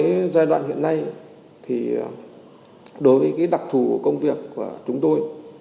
cái giai đoạn hiện nay thì đối với cái đặc thù của công việc của chúng tôi